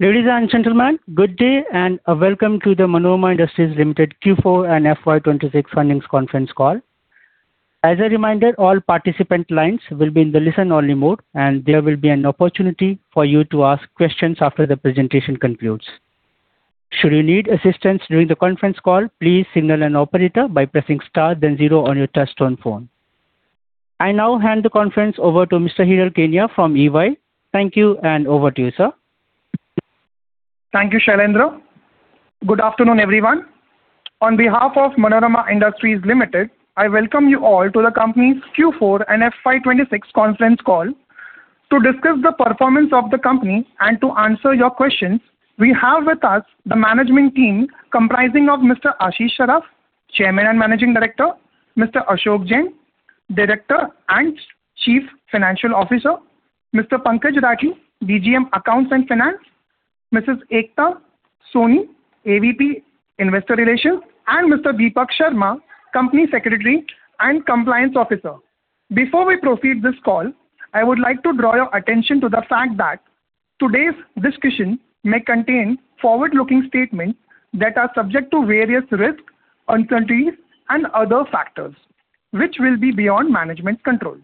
Ladies and gentlemen, good day, and welcome to the Manorama Industries Limited Q4 and FY 2026 earnings conference call. As a reminder, all participant lines will be in the listen only mode, and there will be an opportunity for you to ask questions after the presentation concludes. Should you need assistance during the conference call, please signal an operator by pressing Star then zero on your touchtone phone. I now hand the conference over to Mr. Hiral Keniya from EY. Thank you, and over to you, sir. Thank you, Shailendra. Good afternoon, everyone. On behalf of Manorama Industries Limited, I welcome you all to the company's Q4 and FY 2026 conference call. To discuss the performance of the company and to answer your questions, we have with us the management team comprising of Mr. Ashish Saraf, Chairman and Managing Director, Mr. Ashok Jain, Director and Chief Financial Officer, Mr. Pankaj Rathi, DGM Accounts and Finance, Mrs. Ekta Soni, AVP Investor Relations, and Mr. Deepak Sharma, Company Secretary and Compliance Officer. Before we proceed this call, I would like to draw your attention to the fact that today's discussion may contain forward-looking statements that are subject to various risks, uncertainties, and other factors, which will be beyond management control.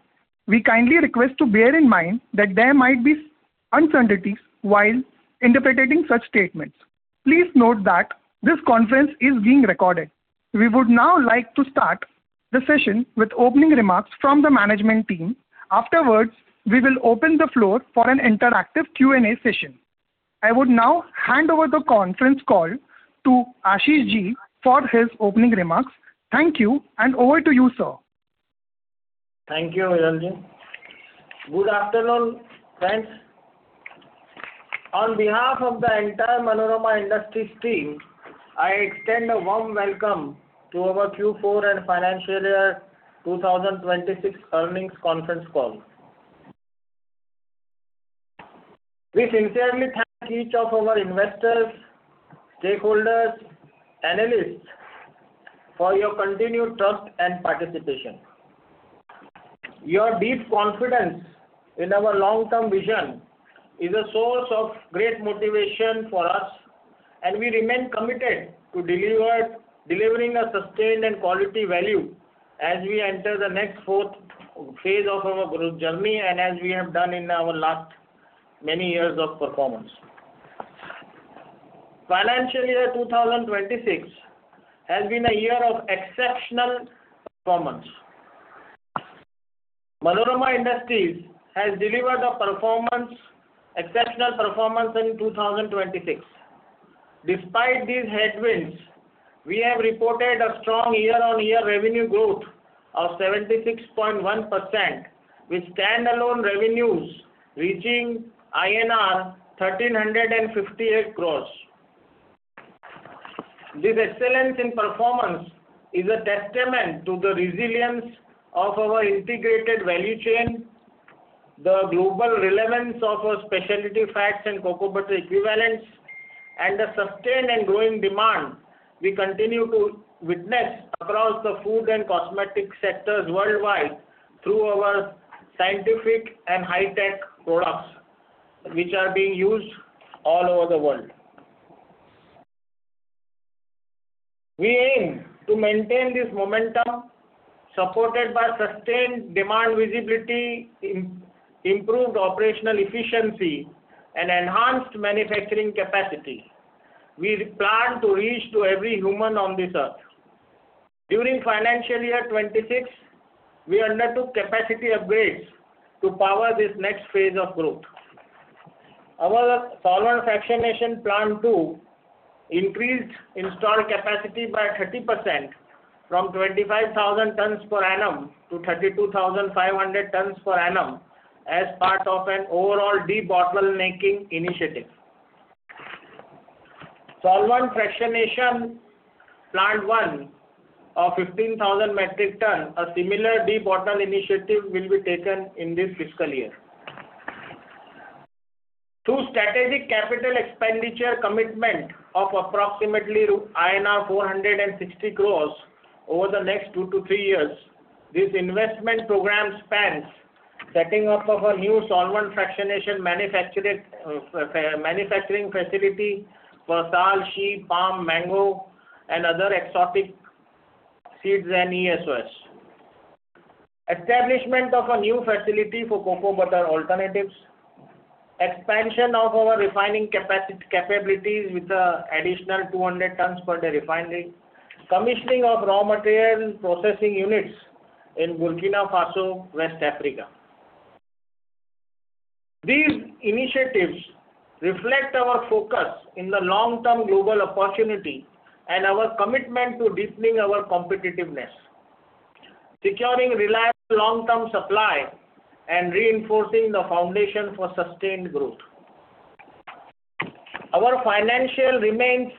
We kindly request to bear in mind that there might be uncertainties while interpreting such statements. Please note that this conference is being recorded. We would now like to start the session with opening remarks from the management team. Afterwards, we will open the floor for an interactive Q&A session. I would now hand over the conference call to Ashish Ji for his opening remarks. Thank you, and over to you, sir. Thank you, Hiral Ji. Good afternoon, friends. On behalf of the entire Manorama Industries team, I extend a warm welcome to our Q4 and Financial Year 2026 earnings conference call. We sincerely thank each of our investors, stakeholders, analysts for your continued trust and participation. Your deep confidence in our long-term vision is a source of great motivation for us. We remain committed to delivering a sustained and quality value as we enter the next fourth phase of our growth journey and as we have done in our last many years of performance. Financial Year 2026 has been a year of exceptional performance. Manorama Industries has delivered exceptional performance in 2026. Despite these headwinds, we have reported a strong year-over-year revenue growth of 76.1%, with standalone revenues reaching INR 1,358 crores. This excellence in performance is a testament to the resilience of our integrated value chain, the global relevance of our specialty fats and cocoa butter equivalents, and the sustained and growing demand we continue to witness across the food and cosmetic sectors worldwide through our scientific and high-tech products which are being used all over the world. We aim to maintain this momentum supported by sustained demand visibility, improved operational efficiency, and enhanced manufacturing capacity. We plan to reach to every human on this earth. During Financial Year 2026, we undertook capacity upgrades to power this next phase of growth. Our solvent fractionation plant 2 increased installed capacity by 30% from 25,000 tons per annum to 32,500 tons per annum as part of an overall debottlenecking initiative. Solvent fractionation plant 1 of 15,000 metric tons, a similar debottlenecking initiative will be taken in this fiscal year. Through strategic capital expenditure commitment of approximately INR 460 crores over the next 2-3 years, this investment program spans setting up of a new solvent fractionation manufacturing facility for sal, shea, palm, mango, and other exotic seeds and SOS. Establishment of a new facility for cocoa butter alternatives. Expansion of our refining capabilities with an additional 200 tons per day refinery. Commissioning of raw material processing units in Burkina Faso, West Africa. These initiatives reflect our focus in the long-term global opportunity and our commitment to deepening our competitiveness, securing reliable long-term supply, and reinforcing the foundation for sustained growth. Our financial remains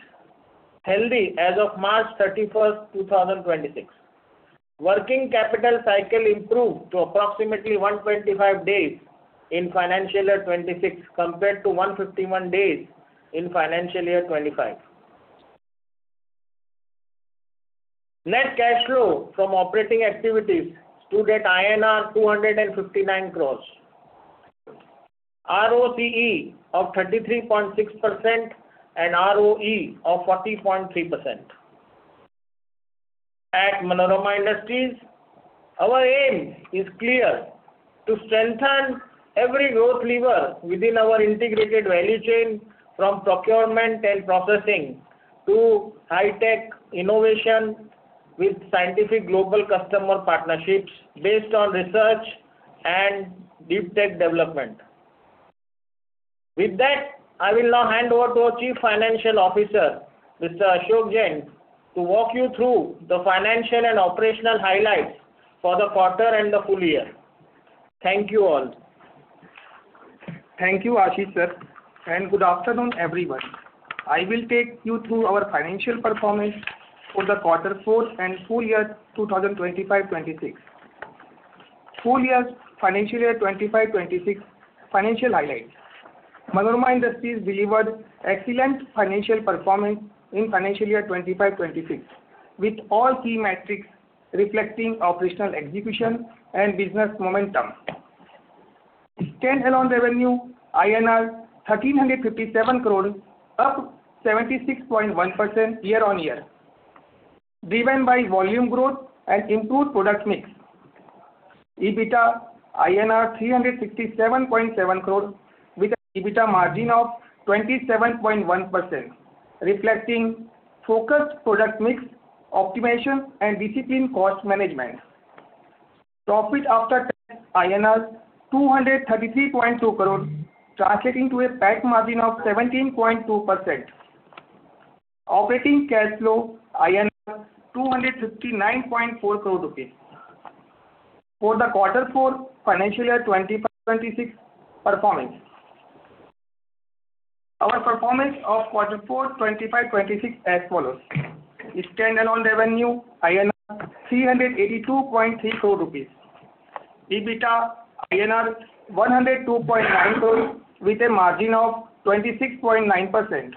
healthy as of March 31st, 2026. Working capital cycle improved to approximately 125 days in Financial Year 2026 compared to 151 days in Financial Year 2025. Net cash flow from operating activities stood at INR 259 crores. ROCE of 33.6% and ROE of 40.3%. At Manorama Industries, our aim is clear: to strengthen every growth lever within our integrated value chain from procurement and processing to high-tech innovation with scientific global customer partnerships based on research and deep tech development. With that, I will now hand over to our Chief Financial Officer, Mr. Ashok Jain, to walk you through the financial and operational highlights for the quarter and the full year. Thank you all. Thank you, Ashish sir, and good afternoon, everyone. I will take you through our financial performance for the quarter four and full year 2025-2026. Full year financial year 2025-2026 financial highlights. Manorama Industries delivered excellent financial performance in financial year 2025-2026, with all key metrics reflecting operational execution and business momentum. Stand-alone revenue INR 1,357 crores, up 76.1% year-on-year, driven by volume growth and improved product mix. EBITDA INR 367.7 crores with an EBITDA margin of 27.1%, reflecting focused product mix optimization and disciplined cost management. Profit after tax INR 233.2 crores, translating to a PAT margin of 17.2%. Operating cash flow 259.4 crore. For the quarter four financial year 2025-2026 performance. Our performance of quarter 4 2025, 2026 as follows: Stand-alone revenue 382.3 crore rupees. EBITDA INR 102.9 crores with a margin of 26.9%.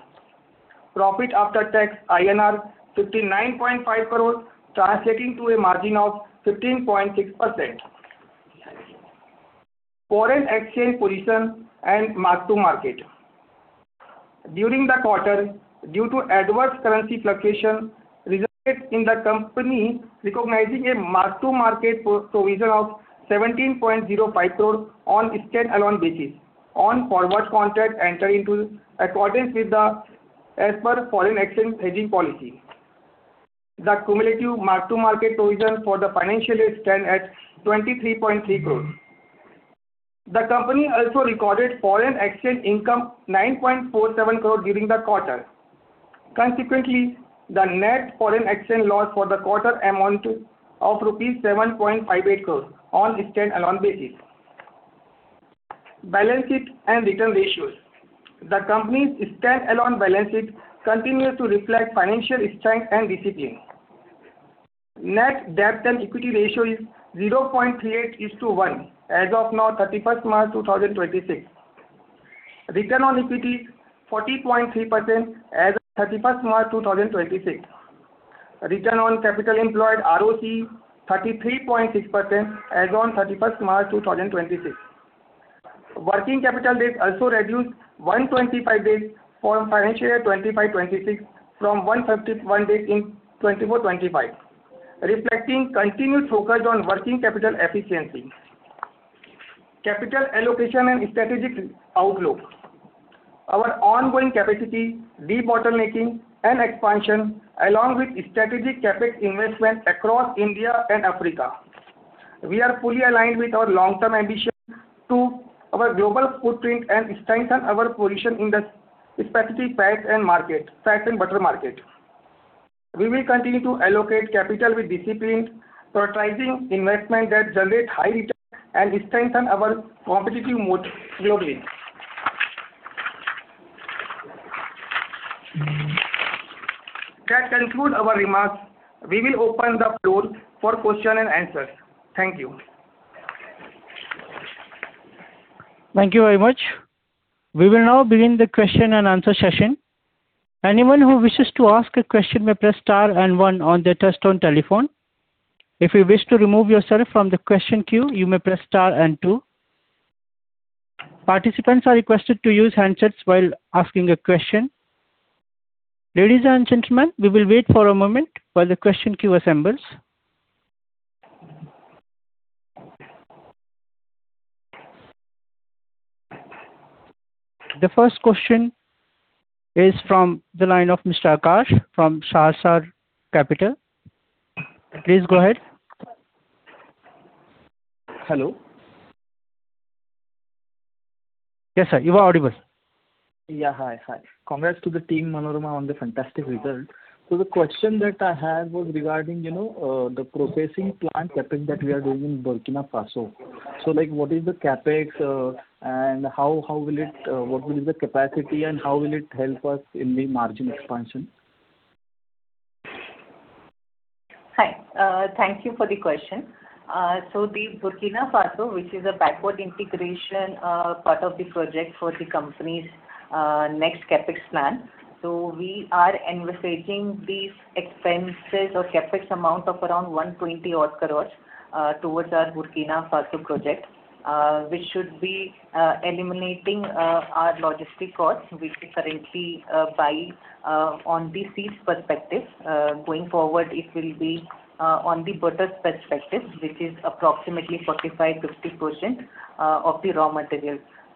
Profit after tax INR 59.5 crores, translating to a margin of 15.6%. Foreign exchange position and mark-to-market. During the quarter, due to adverse currency fluctuation, resulted in the company recognizing a mark-to-market provision of 17.05 crores on a stand-alone basis on forward contract entry into accordance with the as per foreign exchange hedging policy. The cumulative mark-to-market provision for the financial year stand at 23.3 crores. The company also recorded foreign exchange income 9.47 crore during the quarter. Consequently, the net foreign exchange loss for the quarter amounted to rupees 7.58 crores on a stand-alone basis. Balance sheet and return ratios. The company's stand-alone balance sheet continues to reflect financial strength and discipline. Net debt and equity ratio is 0.38 is to 1 as of 31st March 2026. Return on equity 40.3% as of 31st March 2026. Return on capital employed, ROCE, 33.6% as on 31st March 2026. Working capital days also reduced 125 days for financial year 2025-2026 from 151 days in 2024-2025, reflecting continued focus on working capital efficiency. Capital allocation and strategic outlook. Our ongoing capacity, debottlenecking and expansion, along with strategic CapEx investment across India and Africa. We are fully aligned with our long-term ambition to our global footprint and strengthen our position in the specialty fats and butter market. We will continue to allocate capital with discipline, prioritizing investment that generate high return and strengthen our competitive moat globally. That concludes our remarks. We will open the floor for question and answers. Thank you. Thank you very much. We will now begin the question and answer session. Anyone who wishes to ask a question may press star and one on their touchtone telephone. If you wish to remove yourself from the question queue, you may press star and two. Participants are requested to use handsets while asking a question. Ladies and gentlemen, we will wait for a moment while the question queue assembles. The first question is from the line of Mr. Akash from Sahasrar Capital. Please go ahead. Hello. Yes, sir. You are audible. Yeah. Hi. Hi. Congrats to the team Manorama on the fantastic result. The question that I had was regarding, you know, the processing plant CapEx that we are doing in Burkina Faso. Like, what is the CapEx? How will it, what will be the capacity and how will it help us in the margin expansion? Hi. Thank you for the question. The Burkina Faso, which is a backward integration, part of the project for the company's next CapEx plan. We are envisaging these expenses or CapEx amount of around 120 odd crores towards our Burkina Faso project, which should be eliminating our logistic costs, which we currently buy on the CIF perspective. Going forward, it will be on the butter perspective, which is approximately 45%-60% of the raw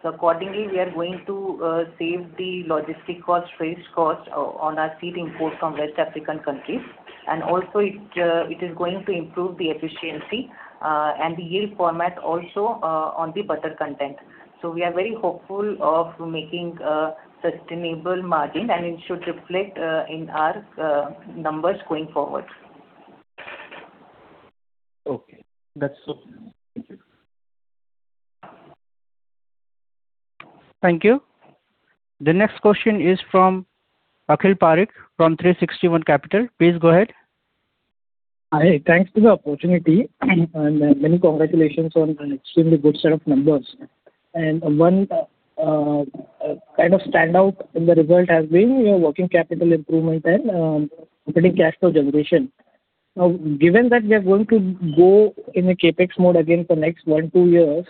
material. Accordingly, we are going to save the logistic cost, freight cost on our CIF import from West African countries. Also it is going to improve the efficiency and the yield format also on the butter content. We are very hopeful of making a sustainable margin, and it should reflect in our numbers going forward. Okay. That's all. Thank you. Thank you. The next question is from Akhil Parekh from 360 ONE Capital. Please go ahead. Hi. Thanks for the opportunity. Many congratulations on an extremely good set of numbers. One kind of standout in the result has been your working capital improvement and operating cash flow generation. Now, given that we are going to go in a CapEx mode again for next one, two years,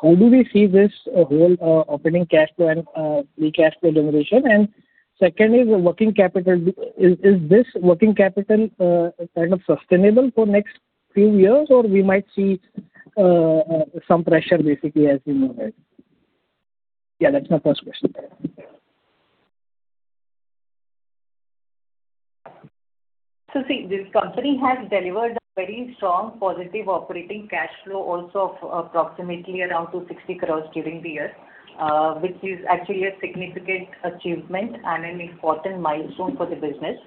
how do we see this whole operating cash flow and free cash flow generation? Second is the working capital. Is this working capital kind of sustainable for next few years, or we might see some pressure basically as we move ahead? Yeah, that's my first question. This company has delivered a very strong positive operating cash flow also of approximately around 260 crores during the year, which is actually a significant achievement and an important milestone for the business.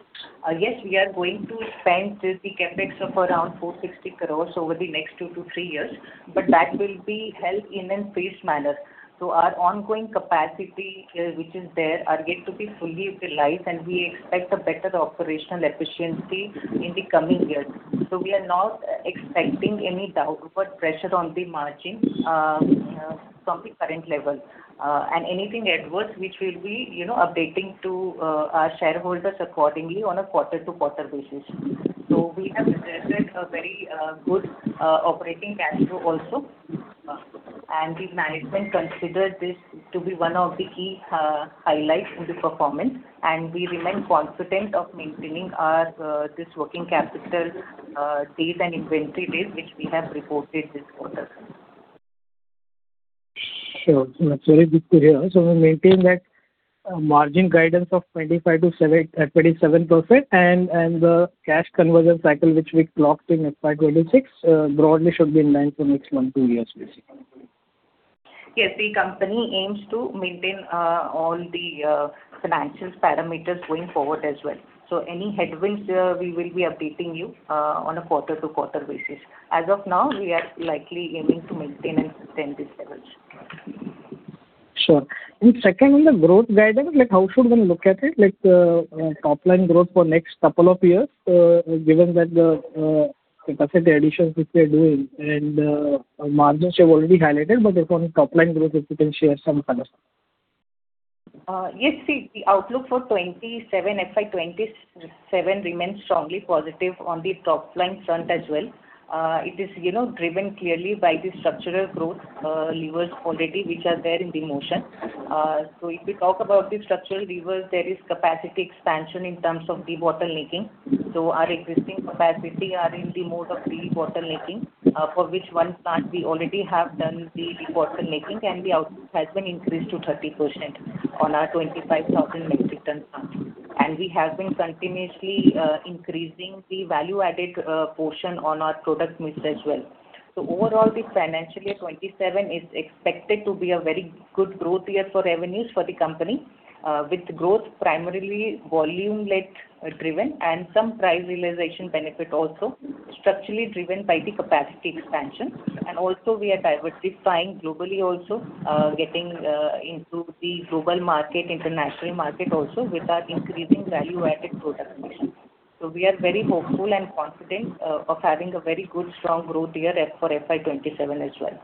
Yes, we are going to spend the CapEx of around 460 crores over the next 2 to 3 years, but that will be held in a phased manner. Our ongoing capacity, which is there are yet to be fully utilized, and we expect a better operational efficiency in the coming years. We are not expecting any downward pressure on the margin from the current level. Anything adverse, which we'll be, you know, updating to our shareholders accordingly on a quarter-to-quarter basis. We have generated a very good operating cash flow also. The management consider this to be one of the key highlights in the performance, and we remain confident of maintaining our this working capital days and inventory days which we have reported this quarter. Sure. It's very good to hear. We maintain that margin guidance of 25%-27% and the cash conversion cycle which we clocked in FY 2026, broadly should be in line for next one, two years basically. Yes. The company aims to maintain, all the, financial parameters going forward as well. Any headwinds, we will be updating you, on a quarter-to-quarter basis. As of now, we are likely aiming to maintain and sustain these levels. Sure. Second, on the growth guidance, like, how should one look at it, top-line growth for next couple of years, given that the capacity additions which we are doing and margins you have already highlighted, if on top-line growth, if you can share some guidance? Yes. See, the outlook for 2027, FY 2027 remains strongly positive on the top-line front as well. It is, you know, driven clearly by the structural growth levers already which are there in the motion. So if we talk about the structural levers, there is capacity expansion in terms of the debottlenecking. So our existing capacity are in the mode of pre-debottlenecking, for which one plant we already have done the debottlenecking, and the output has been increased to 30% on our 25,000 metric ton plant. We have been continuously increasing the value-added portion on our product mix as well. Overall, the financial year 2027 is expected to be a very good growth year for revenues for the company, with growth primarily volume-led driven and some price realization benefit also structurally driven by the capacity expansion. Also we are diversifying globally also, getting into the global market, international market also with our increasing value-added product mix. We are very hopeful and confident of having a very good strong growth year for FY 2027 as well.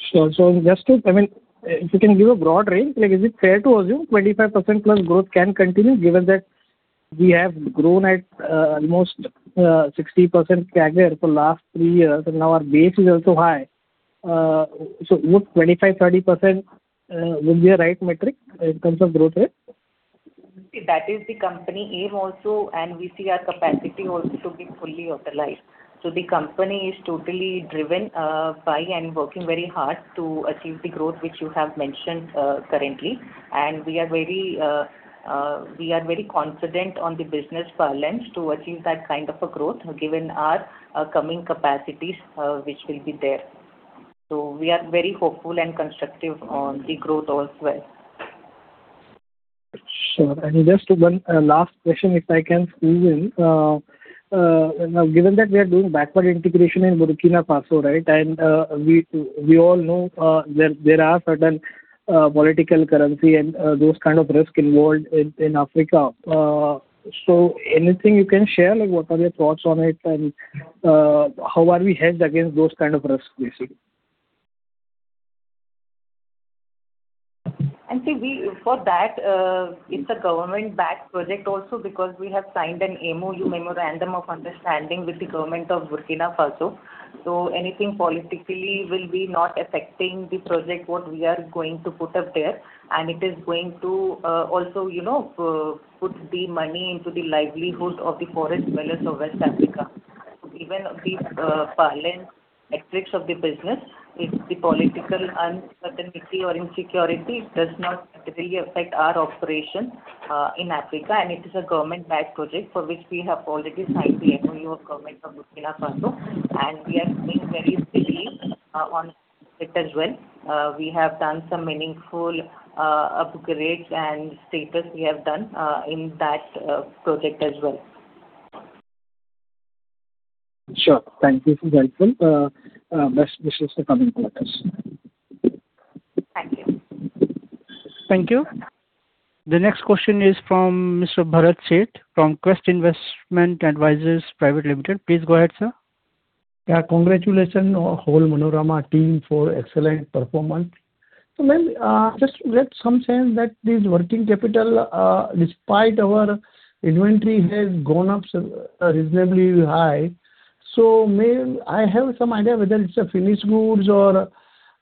Sure. Just to I mean, if you can give a broad range, like is it fair to assume 25% plus growth can continue given that we have grown at almost 60% CAGR for last 3 years and now our base is also high. Would 25%-30% will be a right metric in terms of growth rate? That is the company aim also. We see our capacity also to be fully utilized. The company is totally driven by and working very hard to achieve the growth which you have mentioned currently. We are very confident on the business balance to achieve that kind of a growth given our coming capacities which will be there. We are very hopeful and constructive on the growth as well. Sure. Just one last question, if I can squeeze in. Given that we are doing backward integration in Burkina Faso, right? We all know there are certain political currency and those kind of risk involved in Africa. Anything you can share, like what are your thoughts on it and how are we hedged against those kind of risks basically? See, we, for that, it's a government-backed project also because we have signed an MoU, Memorandum of Understanding, with the government of Burkina Faso. Anything politically will be not affecting the project what we are going to put up there. It is going to, also, you know, put the money into the livelihood of the forest dwellers of West Africa. Even the parlance metrics of the business, if the political uncertainty or insecurity, it does not really affect our operation in Africa. It is a government-backed project for which we have already signed the MoU with government of Burkina Faso. We are being very clear on it as well. We have done some meaningful upgrades and status we have done in that project as well. Sure. Thank you for your help. Best wishes for coming quarters. Thank you. Thank you. The next question is from Mr. Bharat Sheth from Quest Investment Advisors Pvt. Ltd.. Please go ahead, sir. Yeah, congratulations, whole Manorama team for excellent performance. Ma'am, just we had some sense that this working capital, despite our inventory has gone up reasonably high. Ma'am, I have some idea whether it's a finished goods or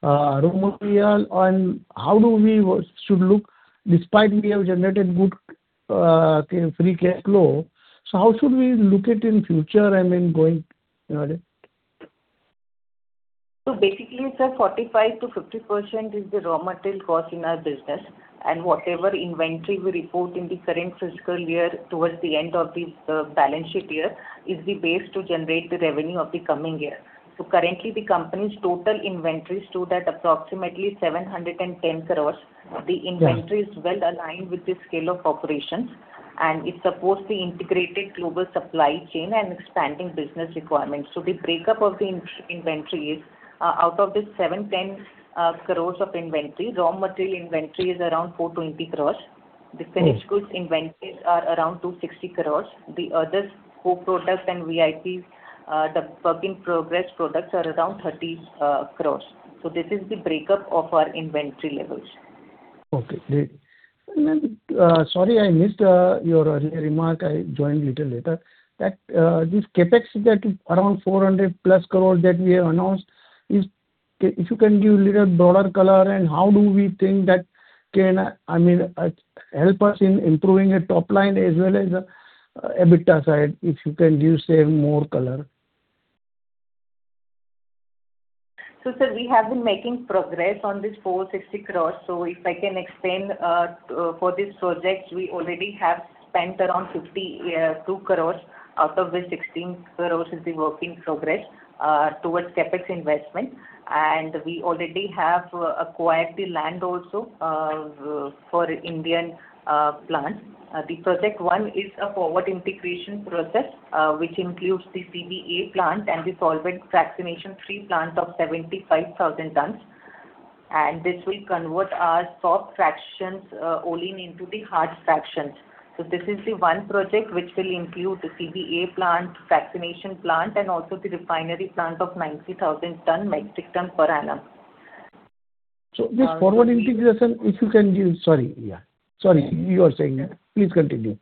raw material and how do we, what should look despite we have generated good free cash flow. How should we look it in future and in going forward? Basically, sir, 45%-50% is the raw material cost in our business. And whatever inventory we report in the current fiscal year towards the end of this balance sheet year is the base to generate the revenue of the coming year. Currently, the company's total inventory stood at approximately 710 crores. The inventory is well aligned with the scale of operations, and it supports the integrated global supply chain and expanding business requirements. The breakup of the inventory is, out of this 710 crores of inventory, raw material inventory is around 420 crores. The finished goods inventories are around 260 crores. The others, co-products and WIP, the work-in-progress products are around 30 crores. This is the breakup of our inventory levels. Okay, great. Ma'am, sorry, I missed your earlier remark. I joined little later. That, this CapEx that is around 400+ crores that we have announced, if you can give little broader color and how do we think that can, I mean, help us in improving a top line as well as EBITDA side, if you can give more color. Sir, we have been making progress on this 460 crores. If I can explain, for this project, we already have spent around 52 crores. Out of which 16 crores is the work in progress towards CapEx investment. We already have acquired the land also for Indian plant. The project 1 is a forward integration process, which includes the CBA plant and the solvent fractionator 3 plant of 75,000 tons. This will convert our soft fractions, olein into the hard fractions. This is the one project which will include the CBA plant, fractionation plant, and also the refinery plant of 90,000 metric tons per annum. So this forward integration, if you can give. Sorry, yeah, sorry. You were saying. Please continue.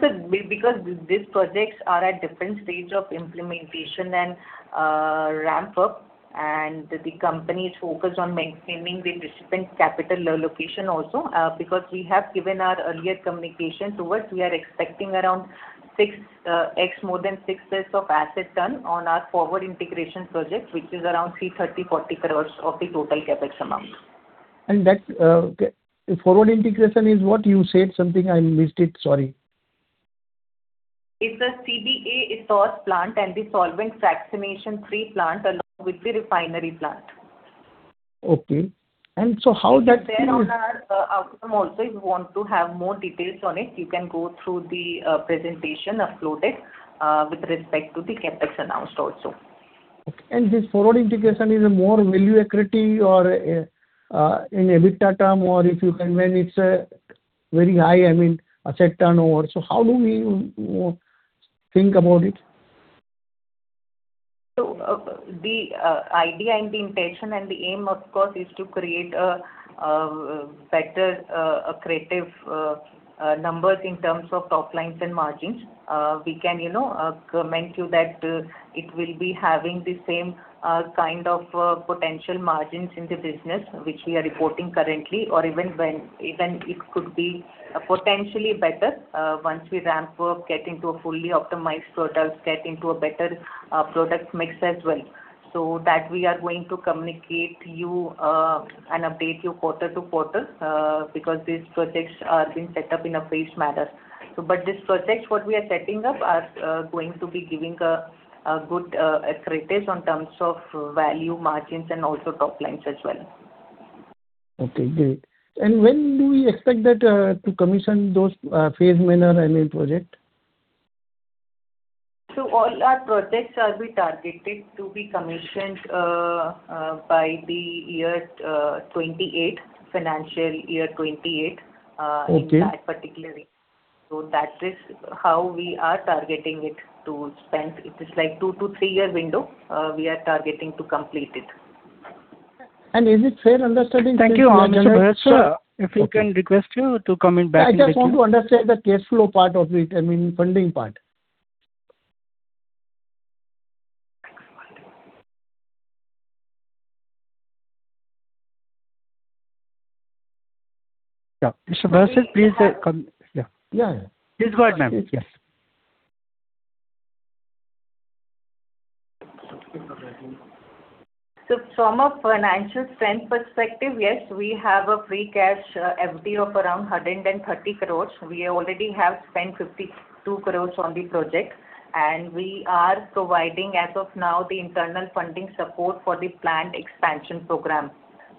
Sir, because these projects are at different stage of implementation and ramp up, and the company is focused on maintaining the disciplined capital allocation also. Because we have given our earlier communication towards we are expecting around 6x more than 6x of asset turn on our forward integration project, which is around 330 crores-340 crores of the total CapEx amount. That's okay. Forward integration is what? You said something. I missed it. Sorry. It's a CBA ethos plant and the solvent fractionation 3 plant along with the refinery plant. Okay. How that could- It's there on our outcome also. If you want to have more details on it, you can go through the presentation uploaded with respect to the CapEx announced also. Okay. This forward integration is a more value accretive or in EBITDA term or if you can when it's very high, I mean, asset turnover. How do we think about it? The idea and the intention and the aim, of course, is to create a better accretive numbers in terms of top lines and margins. We can, you know, comment you that it will be having the same kind of potential margins in the business which we are reporting currently, or even it could be potentially better once we ramp up, get into a fully optimized product, get into a better product mix as well. That we are going to communicate you and update you quarter-to-quarter, because these projects are being set up in a phased manner. But these projects what we are setting up are going to be giving a good accretion on terms of value margins and also top lines as well. Okay, great. When do we expect that, to commission those, phase manner, I mean, project? All our projects are targeted to be commissioned by the year 2028, financial year 2028, In that particular way. That is how we are targeting it to spend. It is like 2-3-year window, we are targeting to complete it. Is it fair understanding? Thank you, ma'am. Mr. Bharat Sheth Sir, if we can request you to come in back in the queue. I just want to understand the cash flow part of it. I mean, funding part. Yeah. Mr. Bharat Sir, please come. Yeah. Yeah, yeah. Please go ahead, ma'am. Yes. From a financial strength perspective, yes, we have a free cash FD of around 130 crores. We already have spent 52 crores on the project, and we are providing, as of now, the internal funding support for the planned expansion program.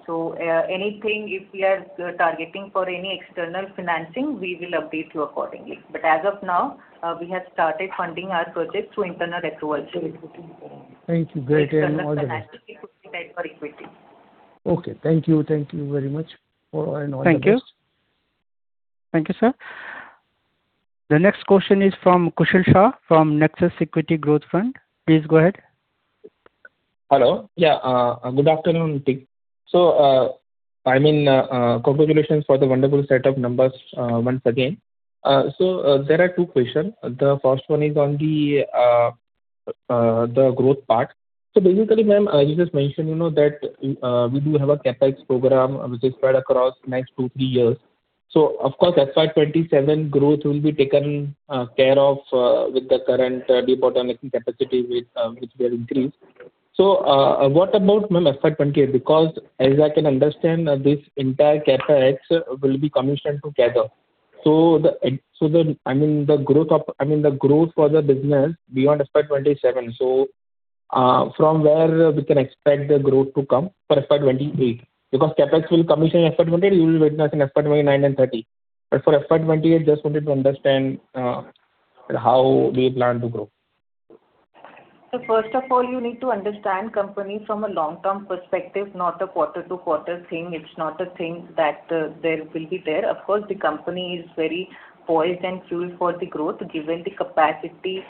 Anything, if we are targeting for any external financing, we will update you accordingly. As of now, we have started funding our project through internal accruals. Thank you. Great hearing all the best. Externally, we could depend for equity. Okay. Thank you. Thank you very much. All, and all the best. Thank you. Thank you, sir. The next question is from Kushal Shah from Nexus Equity Growth Fund. Please go ahead. Hello. Yeah. Good afternoon. I mean, congratulations for the wonderful set of numbers once again. There are two questions. The first one is on the growth part. Basically, ma'am, you just mentioned, you know, that we do have a CapEx program which is spread across next two, three years. Of course, FY 2027 growth will be taken care of with the current debottlenecking capacity with which we have increased. What about, ma'am, FY 2028? As I can understand, this entire CapEx will be commissioned together. I mean, the growth for the business beyond FY 2027. From where we can expect the growth to come for FY 2028? CapEx will commission FY 2028, you will witness in FY 2029 and 2030. For FY 2028, just wanted to understand, how do you plan to grow? First of all, you need to understand company from a long-term perspective, not a quarter-to-quarter thing. It's not a thing that there will be there. Of course, the company is very poised and fueled for the growth, given the capacity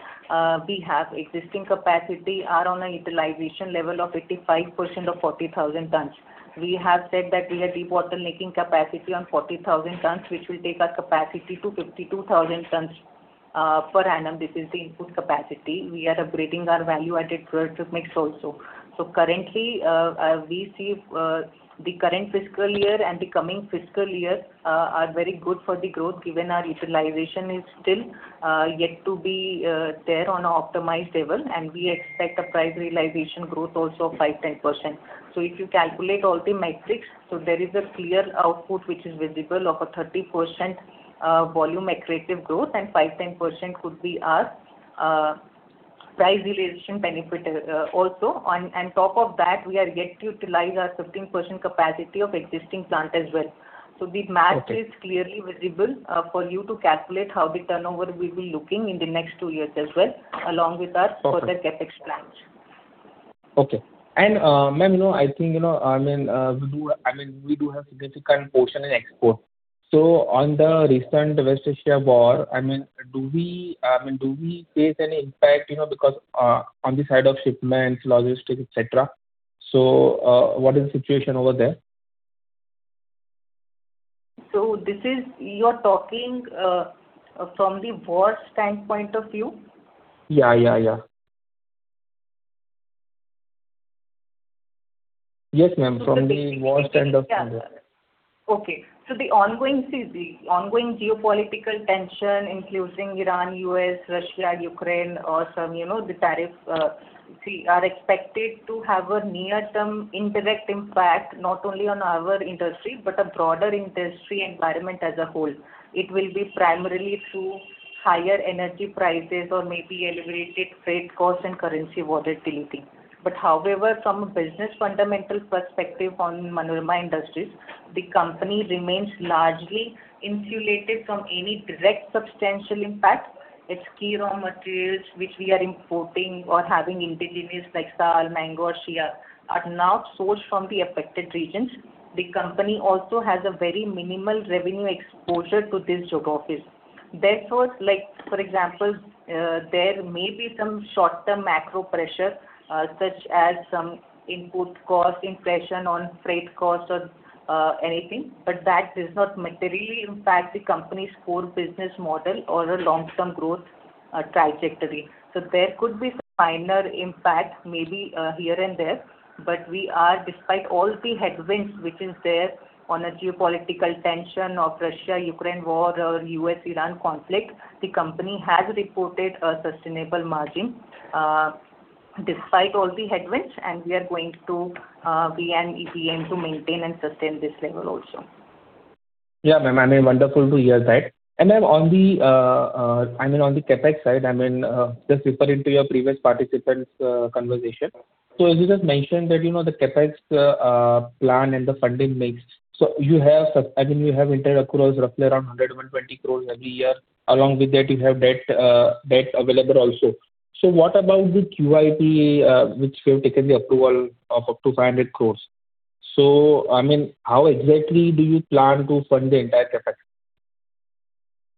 we have. Existing capacity are on a utilization level of 85% of 40,000 tonnes. We have said that we have debottlenecking capacity on 40,000 tonnes, which will take our capacity to 52,000 tonnes per annum. This is the input capacity. We are upgrading our value-added product mix also. Currently, we see the current fiscal year and the coming fiscal year are very good for the growth, given our utilization is still yet to be there on an optimized level, and we expect a price realization growth also of 5%-10%. If you calculate all the metrics, there is a clear output which is visible of a 30% volume accretive growth and 5%-10% could be our price realization benefit also. On top of that, we are yet to utilize our 15% capacity of existing plant as well. So this math is clearly visible, for you to calculate how the turnover will be looking in the next 2 years as well, along with our further CapEx plans. Okay. Ma'am, you know, I think, you know, we do have significant portion in export. On the recent West Asia war, do we face any impact, you know, because on the side of shipments, logistics, et cetera? What is the situation over there? This is You're talking, from the raw standpoint of view? Yeah, yeah. Yes, ma'am. From the war standpoint, yeah. Okay. The ongoing geopolitical tension including Iran, U.S., Russia, Ukraine or some, you know, the tariff, are expected to have a near-term indirect impact, not only on our industry, but a broader industry environment as a whole. It will be primarily through higher energy prices or maybe elevated freight costs and currency volatility. However, from a business fundamental perspective on Manorama Industries, the company remains largely insulated from any direct substantial impact. Its key raw materials which we are importing or having intermediaries like sal, mango, or shea are not sourced from the affected regions. The company also has a very minimal revenue exposure to these geographies. That's what, like, for example, there may be some short-term macro pressure, such as some input cost inflation on freight costs or anything, but that does not materially impact the company's core business model or the long-term growth trajectory. There could be some minor impact maybe here and there, but we are, despite all the headwinds which is there on a geopolitical tension of Russia-Ukraine war or U.S.-Iran conflict, the company has reported a sustainable margin despite all the headwinds, and we are going to aim to maintain and sustain this level also. Yeah, ma'am. I mean, wonderful to hear that. Ma'am, on the, I mean, on the CapEx side, I mean, just referring to your previous participant's conversation. As you just mentioned that, you know, the CapEx plan and the funding mix. You have, I mean, you have internal accruals roughly around 120 crores every year. Along with that, you have debt available also. What about the QIP, which you have taken the approval of up to 500 crores? I mean, how exactly do you plan to fund the entire CapEx?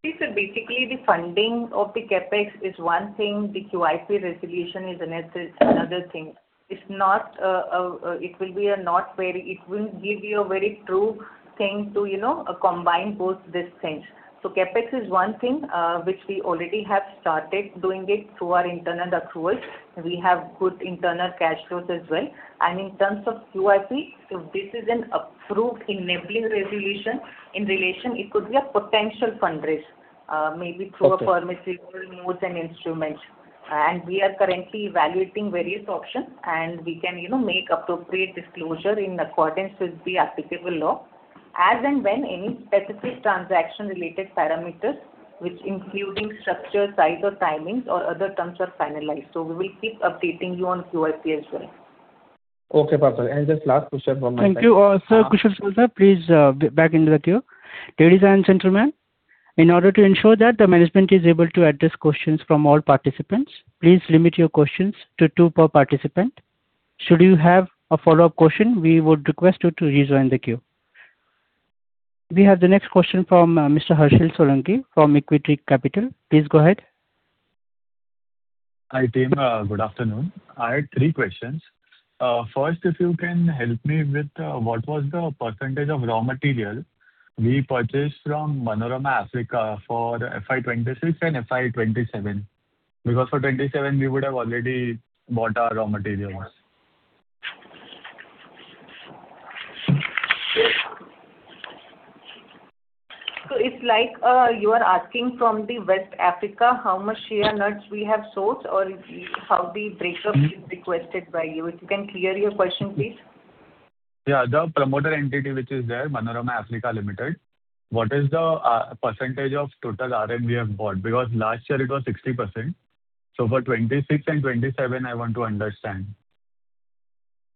See, sir, basically the funding of the CapEx is one thing, the QIP resolution is another thing. It's not, it will give you a very true thing to, you know, combine both these things. CapEx is one thing, which we already have started doing it through our internal accruals. We have good internal cash flows as well. In terms of QIP, this is an approved enabling resolution. In relation, it could be a potential fundraise, maybe through a permissible modes and instruments. We are currently evaluating various options, and we can, you know, make appropriate disclosure in accordance with the applicable law. As and when any specific transaction related parameters, which including structure, size or timings or other terms are finalized. We will keep updating you on QIP as well. Okay, perfect. Just last question from my side. Thank you. Sir, Kushal Shah, please back into the queue. Ladies and gentlemen, in order to ensure that the management is able to address questions from all participants, please limit your questions to two per participant. Should you have a follow-up question, we would request you to rejoin the queue. We have the next question from Mr. Harshil Solanki from Equitree Capital. Please go ahead. Hi, team. Good afternoon. I had three questions. First, if you can help me with what was the percentage of raw material we purchased from Manorama Africa for FY 2026 and FY 2027? For 2027 we would have already bought our raw materials. it's like, you are asking from the West Africa how much shea nuts we have sourced or how [inaudible] Is requested by you. If you can clear your question, please. Yeah. The promoter entity which is there, Manorama Africa Limited, what is the % of total RM we have bought? Last year it was 60%. For 26 and 27, I want to understand.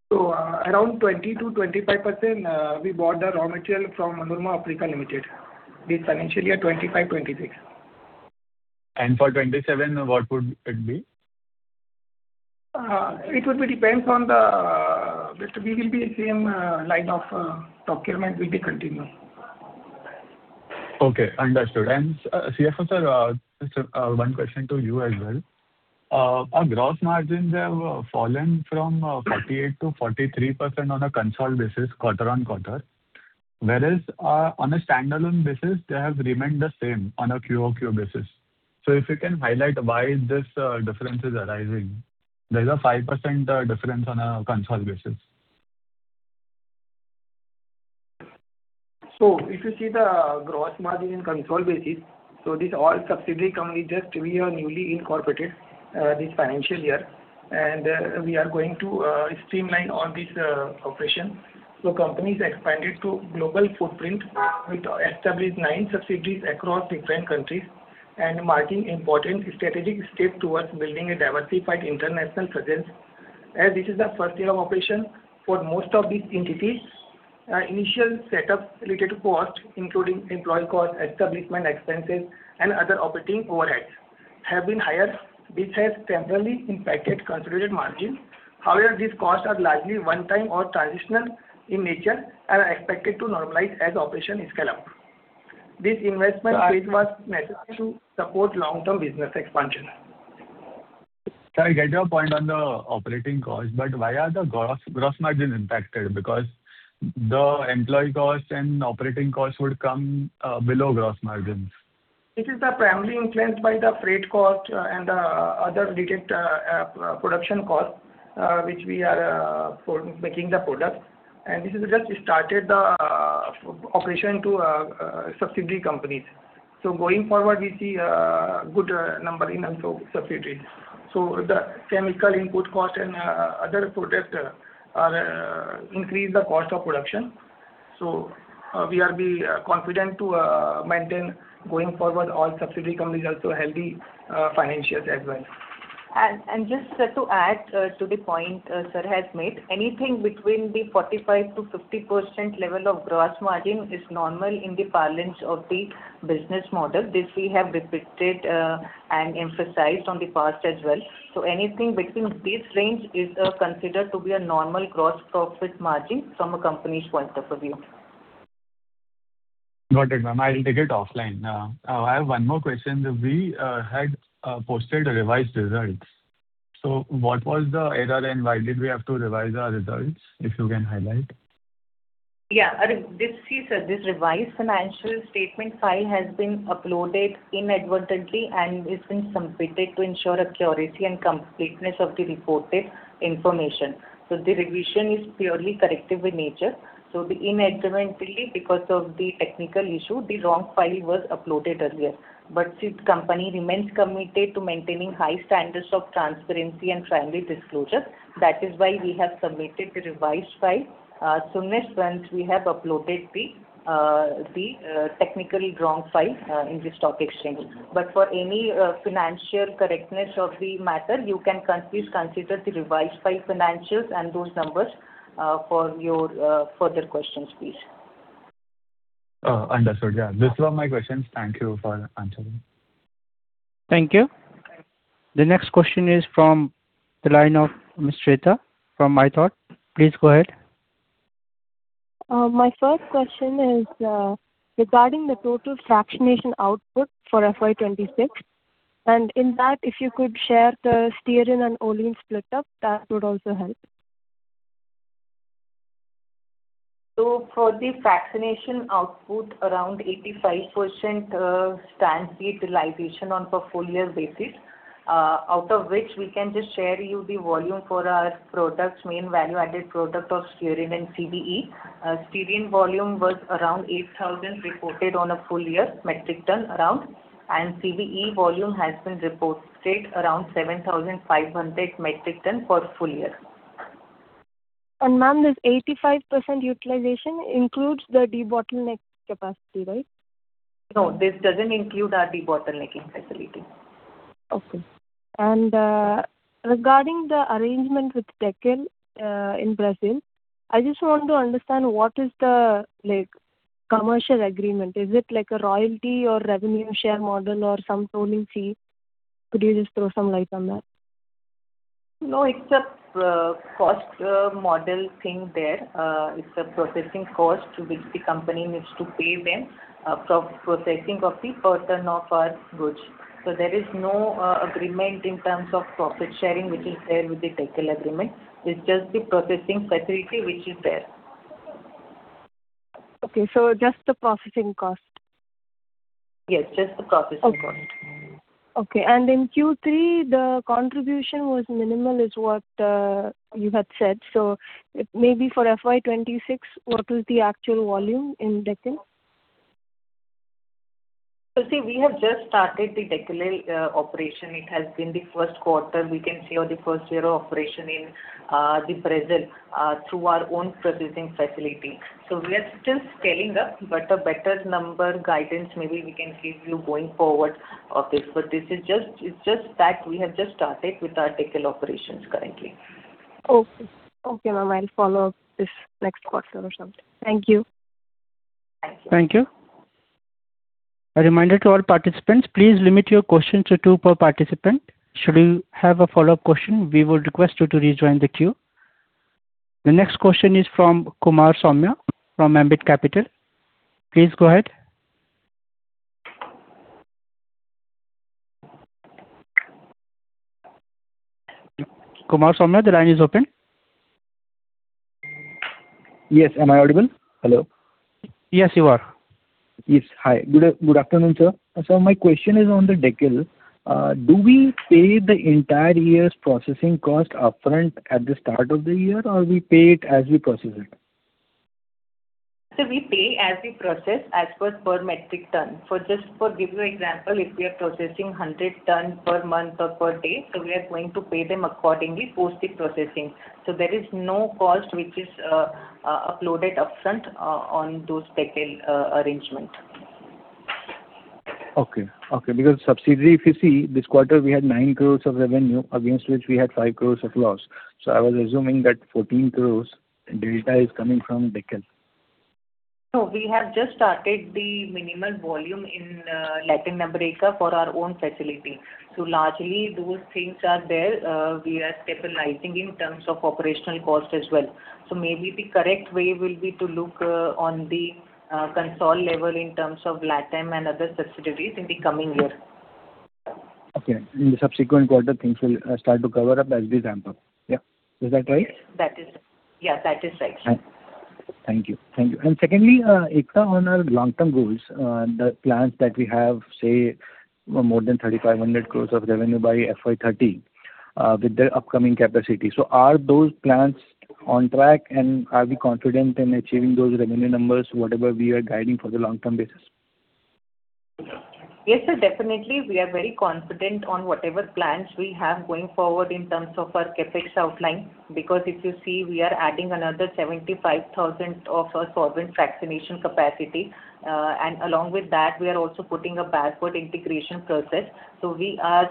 Around 20%-25%, we bought the raw material from Manorama Africa Limited this financial year 2025-2026. For 2027, what would it be? We will be same line of procurement will be continued. Okay, understood. CFO sir, just one question to you as well. Our gross margins have fallen from 48%-43% on a consolidated basis quarter-on-quarter. Whereas, on a standalone basis, they have remained the same on a QOQ basis. If you can highlight why this difference is arising. There's a 5% difference on a consolidated basis. If you see the gross margin in consolidated basis, this all subsidiary company just we have newly incorporated, this financial year. We are going to streamline all this operation. Company's expanded to global footprint with established nine subsidiaries across different countries and marking important strategic step towards building a diversified international presence. As this is the first year of operation for most of these entities, initial setup related cost, including employee cost, establishment expenses, and other operating overheads have been higher. This has temporarily impacted consolidated margin. However, these costs are largely one time or transitional in nature and are expected to normalize as operation is scaled up. This investment phase was necessary to support long-term business expansion. I get your point on the operating cost. Why are the gross margin impacted? The employee cost and operating cost would come below gross margins. This is the primarily influenced by the freight cost, and other related production cost, which we are for making the product. This is just started the operation to subsidiary companies. Going forward, we see a good number in also subsidiaries. The chemical input cost and other products are increase the cost of production. We are be confident to maintain going forward all subsidiary companies also healthy financials as well. Just to add to the point sir has made, anything between the 45%-50% level of gross margin is normal in the parlance of the business model. This we have repeated and emphasized on the past as well. Anything between this range is considered to be a normal gross profit margin from a company's point of view. Got it, ma'am. I'll take it offline. I have one more question. We had posted revised results. What was the error, and why did we have to revise our results, if you can highlight? Yeah. This revised financial statement file has been uploaded inadvertently. It's been submitted to ensure accuracy and completeness of the reported information. The revision is purely corrective in nature. Inadvertently, because of the technical issue, the wrong file was uploaded earlier. The company remains committed to maintaining high standards of transparency and timely disclosure. That is why we have submitted the revised file. Soon as once we have uploaded the technically wrong file in the stock exchange. For any financial correctness of the matter, you can please consider the revised file financials and those numbers for your further questions, please. Understood. Yeah. Those were my questions. Thank you for answering. Thank you. The next question is from the line of Ms. Shweta from ithought. Please go ahead. My first question is regarding the total fractionation output for FY 2026. In that, if you could share the stearin and olein split up, that would also help. For the fractionation output, around 85% stands the utilization on a full year basis. Out of which we can just share you the volume for our products, main value-added product of stearin and CBE. Stearin volume was around 8,000 reported on a full year metric ton, and CBE volume has been reported around 7,500 metric ton for full year. Ma'am, this 85% utilization includes the debottleneck capacity, right? No, this doesn't include our debottlenecking facility. Okay. Regarding the arrangement with Dekel in Brazil, I just want to understand what is the like commercial agreement. Is it like a royalty or revenue share model or some tolling fee? Could you just throw some light on that? No, it's a cost model thing there. It's a processing cost which the company needs to pay them for processing of the per ton of our goods. There is no agreement in terms of profit sharing which is there with the Dekel agreement. It's just the processing facility which is there. Okay. Just the processing cost. Yes, just the processing cost. Okay. Okay. In Q3, the contribution was minimal is what you had said. Maybe for FY 2026, what is the actual volume in Dekel? See, we have just started the Dekel operation. It has been the first quarter we can say, or the first year of operation in the present through our own processing facility. We are still scaling up. A better number guidance maybe we can give you going forward of this. It's just that we have just started with our Dekel operations currently. Okay. Okay, ma'am. I'll follow up this next quarter or something. Thank you. Thank you. A reminder to all participants, please limit your questions to two per participant. Should you have a follow-up question, we would request you to rejoin the queue. The next question is from Kumar Saumya from Ambit Capital. Please go ahead. Kumar Saumya, the line is open. Yes. Am I audible? Hello. Yes, you are. Yes. Hi. Good afternoon, sir. My question is on the Dekel. Do we pay the entire year's processing cost upfront at the start of the year, or we pay it as we process it? We pay as we process as per metric ton. For just, to give you an example, if we are processing 100 tons per month or per day, we are going to pay them accordingly post the processing. There is no cost which is uploaded upfront on those Dekel arrangement. Okay. Okay. Subsidiary, if you see, this quarter we had 9 crores of revenue against which we had 5 crores of loss. I was assuming that 14 crores delta is coming from Dekel. We have just started the minimal volume in Latin America for our own facility. Largely those things are there. We are stabilizing in terms of operational cost as well. Maybe the correct way will be to look on the console level in terms of LatAm and other subsidiaries in the coming year. Okay. In the subsequent quarter, things will start to cover up as the ramp up. Yeah. Is that right? That is Yeah, that is right. Thank you. Thank you. Secondly, Ekta, on our long-term goals, the plans that we have, say, more than 3,500 crores of revenue by FY 2030, with the upcoming capacity. Are those plans on track and are we confident in achieving those revenue numbers, whatever we are guiding for the long-term basis? Yes, sir, definitely. We are very confident on whatever plans we have going forward in terms of our CapEx outline. If you see, we are adding another 75,000 of our solvent fractionation capacity. Along with that, we are also putting a backward integration process. We are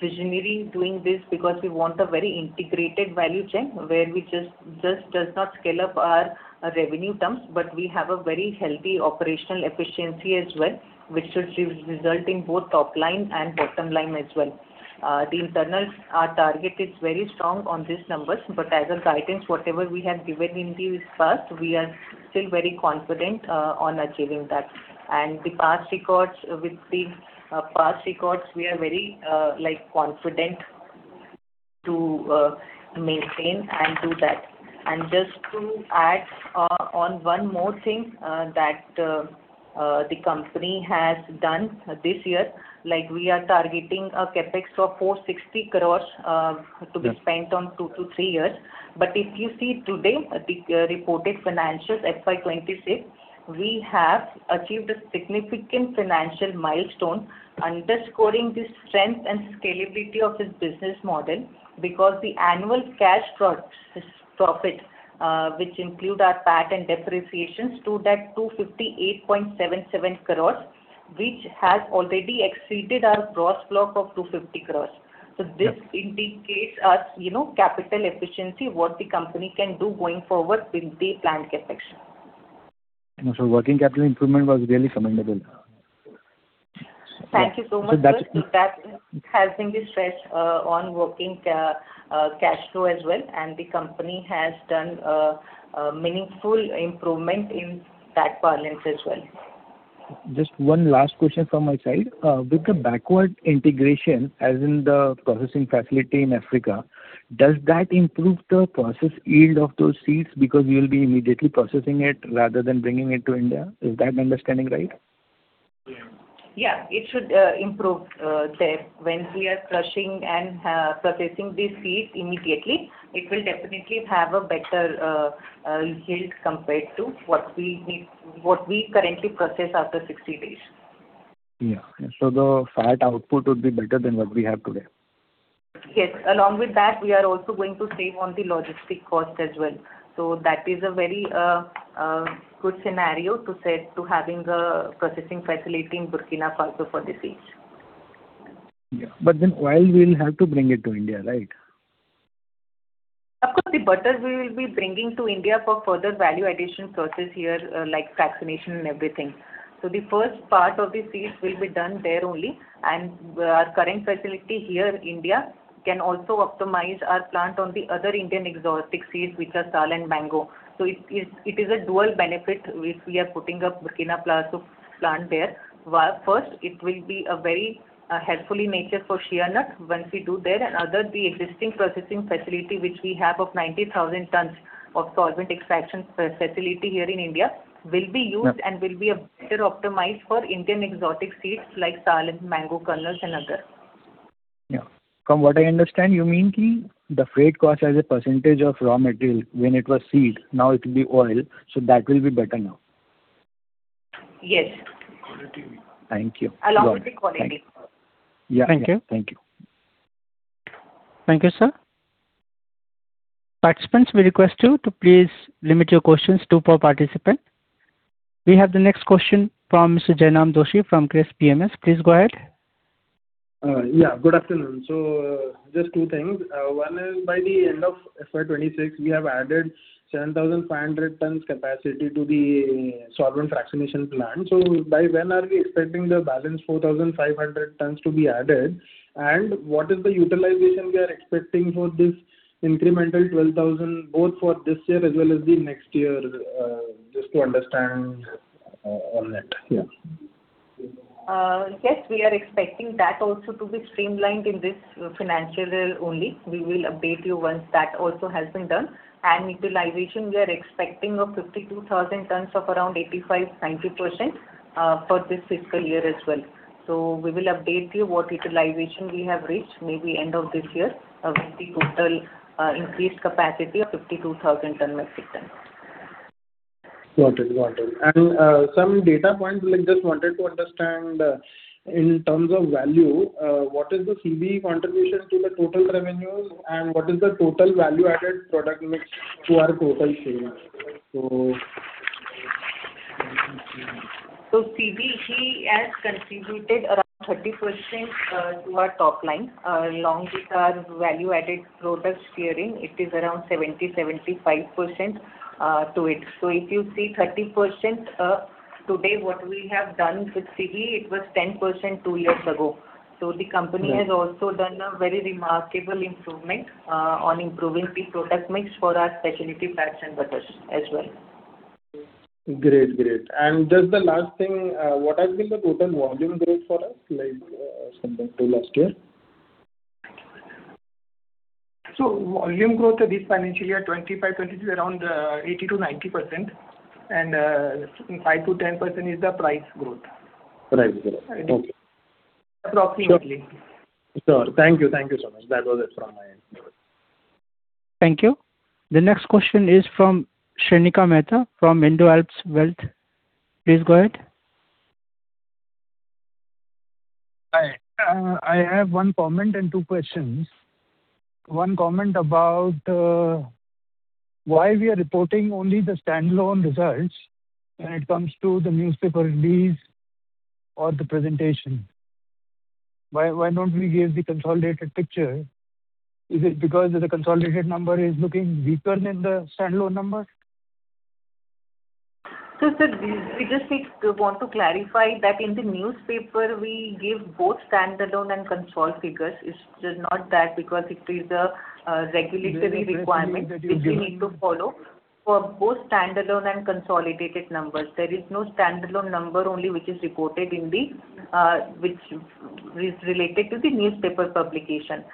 visionary doing this because we want a very integrated value chain where we just not scale up our revenue terms, but we have a very healthy operational efficiency as well, which should result in both top line and bottom line as well. The internals, our target is very strong on these numbers, but as a guidance, whatever we have given in the past, we are still very confident on achieving that. The past records, we are very like confident to maintain and do that. Just to add, on one more thing, that the company has done this year, like we are targeting a CapEx of 460 crores to be spent on 2-3 years. If you see today, the reported financials FY 2026, we have achieved a significant financial milestone underscoring the strength and scalability of this business model, because the annual cash profit, which include our PAT and depreciations stood at 258.77 crores. Which has already exceeded our gross block of 250 crores. This indicates us, you know, capital efficiency, what the company can do going forward with the plant capacity. Working capital improvement was really commendable. Thank you so much, sir. That has been the stress on working cashflow as well. The company has done a meaningful improvement in that balance as well. Just one last question from my side. With the backward integration, as in the processing facility in Africa, does that improve the process yield of those seeds because you'll be immediately processing it rather than bringing it to India? Is that understanding right? Yeah. It should improve there. When we are crushing and processing the seeds immediately, it will definitely have a better yield compared to what we currently process after 60 days. Yeah. The fat output would be better than what we have today. Yes. Along with that, we are also going to save on the logistic cost as well. That is a very good scenario to set to having a processing facility in Burkina Faso for the seeds. Yeah. Oil we'll have to bring it to India, right? Of course, the butters we will be bringing to India for further value addition process here, like fractionation and everything. The first part of the seeds will be done there only. Our current facility here in India can also optimize our plant on the other Indian exotic seeds, which are sal and mango. It is a dual benefit if we are putting up Burkina Faso plant there. First, it will be a very helpfully nature for shea nut once we do there. Other, the existing processing facility which we have of 90,000 tons of solvent extraction facility here in India will be used and will be a better optimized for Indian exotic seeds like sal and mango kernels and other. Yeah. From what I understand, you mean the freight cost as a percentage of raw material when it was seed, now it will be oil, so that will be better now. Yes. Thank you. Along with the quality. Yeah. Thank you. Thank you. Thank you, sir. Participants, we request you to please limit your questions 2 per participant. We have the next question from Mr. Jainam Doshi from KRIIS PMS. Please go ahead. Good afternoon. Just 2 things. One is by the end of FY 2026, we have added 7,500 tons capacity to the solvent fractionation plant. By when are we expecting the balance 4,500 tons to be added? What is the utilization we are expecting for this incremental 12,000, both for this year as well as the next year, just to understand on that? Yes, we are expecting that also to be streamlined in this financial only. We will update you once that also has been done. Utilization, we are expecting of 52,000 tons of around 85%-90% for this fiscal year as well. We will update you what utilization we have reached maybe end of this year of the total increased capacity of 52,000 metric ton. Got it. Got it. Some data points, like just wanted to understand, in terms of value, what is the CBE contribution to the total revenues and what is the total value-added product mix to our total sales? CBE has contributed around 30% to our top line. Along with our value-added product stearin, it is around 70%-75% to it. If you see 30% today what we have done with CBE, it was 10% 2 years ago. The company has also done a very remarkable improvement on improving the product mix for our specialty fats and butters as well. Great. Great. Just the last thing, what has been the total volume growth for us, like, compared to last year? Volume growth of this financial year 2025, 2026, around 80%-90%. 5%-10% is the price growth. Right. Got it. Okay. Approximately. Sure. Thank you. Thank you so much. That was it from my end. Over. Thank you. The next question is from Srinika Mehta from Indo Alps Wealth. Please go ahead. Hi. I have one comment and two questions. One comment about, why we are reporting only the standalone results when it comes to the newspaper release or the presentation. Why don't we give the consolidated picture? Is it because the consolidated number is looking weaker than the standalone number? Sir, we just need to want to clarify that in the newspaper we give both standalone and consolid figures. It's just not that because it is a regulatory requirement which we need to follow for both standalone and consolidated numbers. There is no standalone number only which is reported in the which is related to the newspaper publication.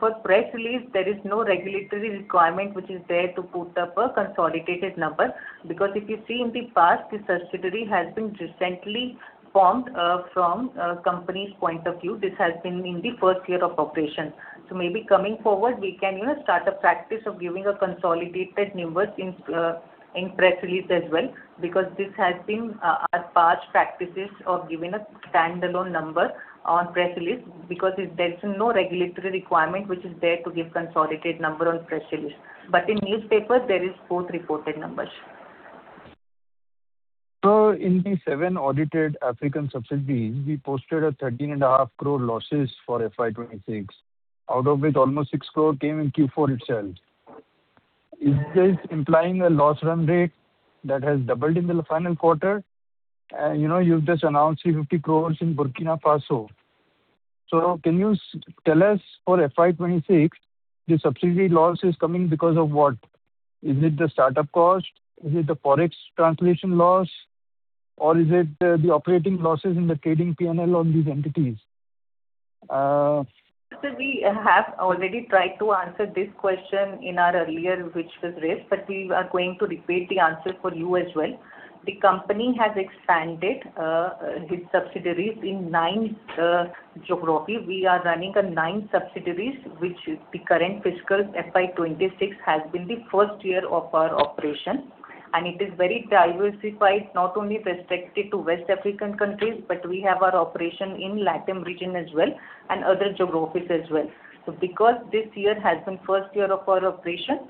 For press release, there is no regulatory requirement which is there to put up a consolidated number. If you see in the past, the subsidiary has been recently formed from company's point of view. This has been in the first year of operation. Maybe coming forward we can, you know, start a practice of giving a consolidated numbers in press release as well because this has been our past practices of giving a standalone number on press release because there's no regulatory requirement which is there to give consolidated number on press release. In newspapers there is both reported numbers. Sir, in the seven audited African subsidiaries, we posted 13.5 crore losses for FY 2026, out of which almost 6 crore came in Q4 itself. Is this implying a loss run rate that has doubled in the final quarter? You know, you've just announced 350 crore in Burkina Faso. Can you tell us for FY 2026, the subsidiary loss is coming because of what? Is it the startup cost? Is it the Forex translation loss? Is it the operating losses in the trading P&L on these entities? Sir, we have already tried to answer this question in our earlier, which was raised, but we are going to repeat the answer for you as well. The company has expanded its subsidiaries in 9 geography. We are running 9 subsidiaries, which the current fiscal FY 2026 has been the first year of our operation. It is very diversified, not only restricted to West African countries, but we have our operation in LATAM region as well and other geographies as well. Because this year has been first year of our operation,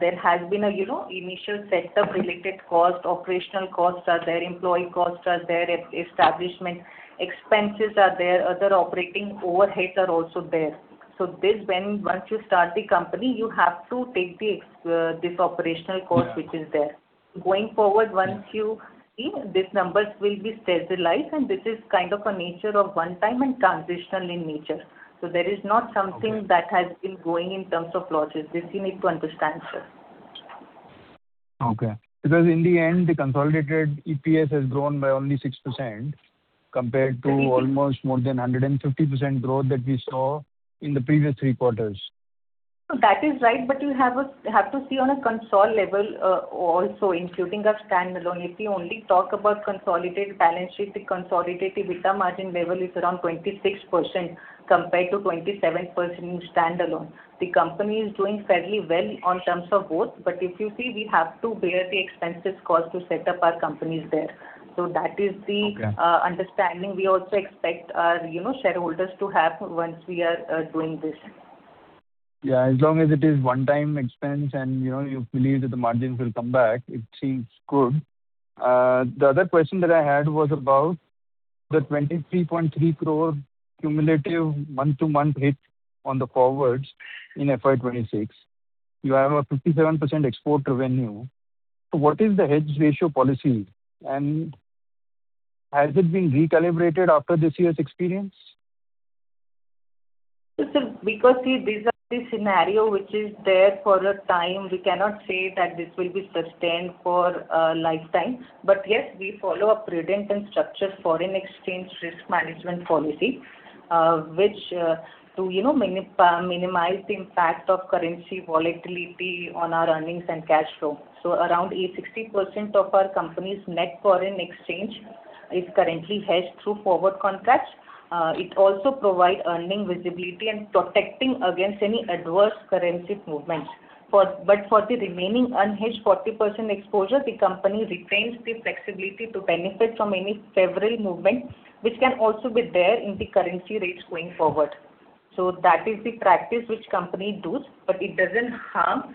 there has been a initial setup related cost, operational costs are there, employee costs are there, establishment expenses are there, other operating overheads are also there. This when once you start the company, you have to take this operational cost which is there. Going forward, once you see these numbers will be stabilized, and this is kind of a nature of one time and transitional in nature. There is not something that has been going in terms of losses. This you need to understand, sir. In the end, the consolidated EPS has grown by only 6% compared to almost more than 150% growth that we saw in the previous 3 quarters. That is right. You have to see on a console level, also including a standalone. If you only talk about consolidated balance sheet, the consolidated EBITDA margin level is around 26% compared to 27% in standalone. The company is doing fairly well on terms of both, but if you see, we have to bear the expensive cost to set up our companies there. So that is the understanding we also expect our, you know, shareholders to have once we are doing this. Yeah, as long as it is one time expense and, you know, you believe that the margins will come back, it seems good. The other question that I had was about the 23.3 crore cumulative month-to-month hit on the forwards in FY 2026. You have a 57% export revenue. What is the hedge ratio policy, and has it been recalibrated after this year's experience? Sir, because, see, these are the scenario which is there for a time. We cannot say that this will be sustained for a lifetime. But yes, we follow a prudent and structured foreign exchange risk management policy, which, to, you know, minimize the impact of currency volatility on our earnings and cash flow. Around a 60% of our company's net foreign exchange is currently hedged through forward contracts. It also provide earning visibility and protecting against any adverse currency movements. For the remaining unhedged 40% exposure, the company retains the flexibility to benefit from any favorable movement, which can also be there in the currency rates going forward. That is the practice which company does, but it doesn't harm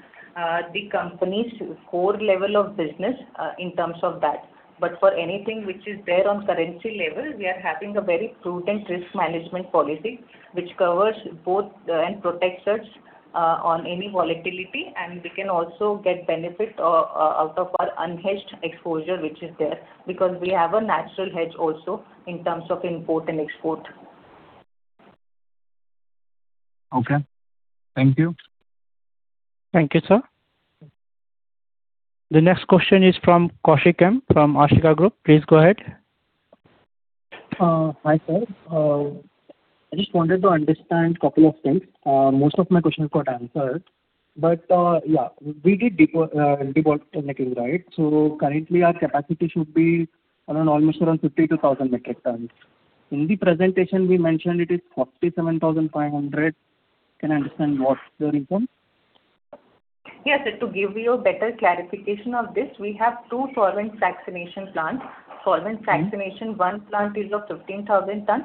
the company's core level of business in terms of that. For anything which is there on currency level, we are having a very prudent risk management policy which covers both and protects us on any volatility. We can also get benefit out of our unhedged exposure which is there, because we have a natural hedge also in terms of import and export. Okay. Thank you. Thank you, sir. The next question is from Kaushik M from Ashika Group. Please go ahead. Hi, sir. I just wanted to understand couple of things. Most of my questions got answered. Yeah, we did debottlenecking, right? Currently our capacity should be around almost around 52,000 metric tons. In the presentation we mentioned it is 47,500. Can I understand what's the reason? Yes. To give you a better clarification of this, we have 2 solvent fractionation plants. Solvent fractionation 1 plant is of 15,000 tons.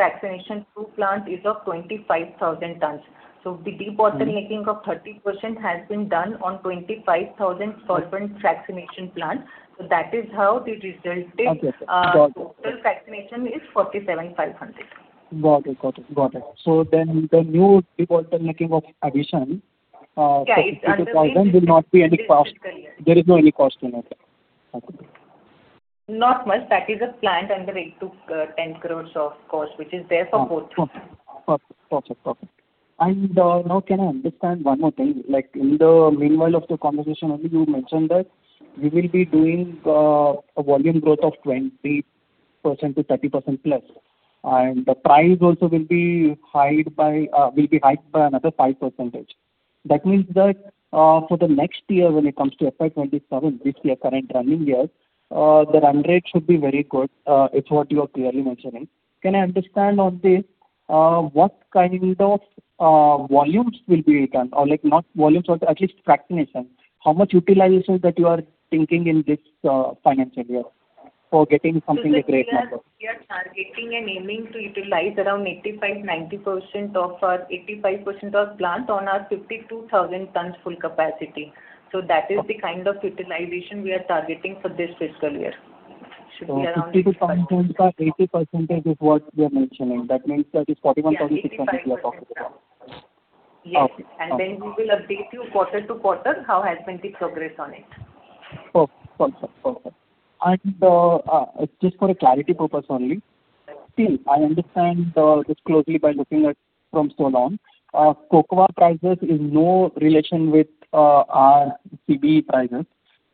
fractionation 2 plant is of 25,000 tons. The debottlenecking of 30% has been done on 25,000 solvent fractionation plant. That is how the result is the total fractionation is 47,500. Got it. The new debottlenecking of addition, 52,000 tons will not be any cost. There is no any cost in it. Okay. Not much. That is a plant under 8 crores-10 crores of cost, which is there for both. Perfect. Perfect. Perfect. Now can I understand one more thing? Like, in the meanwhile of the conversation only, you mentioned that we will be doing a volume growth of 20%-30% plus, and the price also will be hiked by another 5%. That means that, for the next year, when it comes to FY 2027, this year current running year, the run rate should be very good, if what you are clearly mentioning. Can I understand on this, what kind of volumes will be done? Or like not volumes, or at least fractionation. How much utilization that you are thinking in this financial year? We are targeting and aiming to utilize around 85%-90%, 85% of plant on our 52,000 tons full capacity. That is the kind of utilization we are targeting for this fiscal year. 52,000 tons, 80% is what you are mentioning. That means that is 41,600 we are talking about. Yes. Okay. We will update you quarter-to-quarter how has been the progress on it. Perfect. Perfect. Just for a clarity purpose only. Still, I understand this closely by looking at from so long. Cocoa prices is no relation with our CBE prices.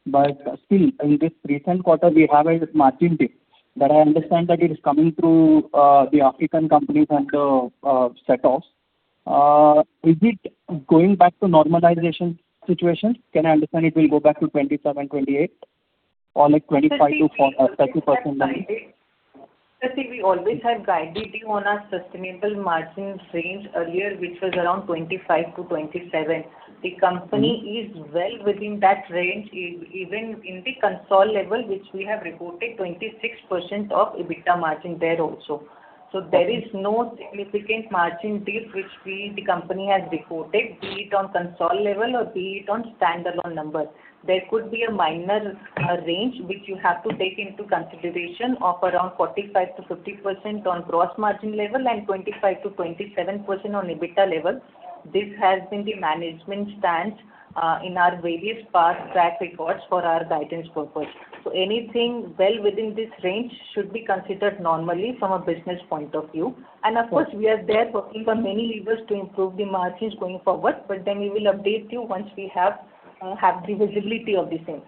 Still, in this recent quarter, we have a margin dip that I understand that it is coming through the African companies and the setoffs. Is it going back to normalization situation? Can I understand it will go back to 27%, 28% or like 25% to Sir, see, we always have guided you on our sustainable margins range earlier, which was around 25%-27%. The company is well within that range even in the console level, which we have reported 26% of EBITDA margin there also. There is no significant margin dip which we, the company, has reported, be it on console level or be it on standalone number. There could be a minor range which you have to take into consideration of around 45%-50% on gross margin level and 25%-27% on EBITDA level. This has been the management stance in our various past track records for our guidance purpose. Anything well within this range should be considered normally from a business point of view. Of course, we are there working on many levers to improve the margins going forward, but then we will update you once we have the visibility of the same.